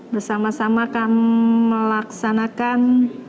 bersama sama akan melaksanakan